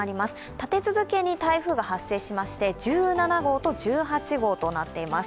立て続けに台風が発生しまして、１７号と１８号となっています。